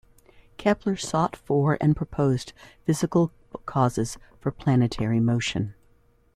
Kepler sought for and proposed physical causes for planetary motion.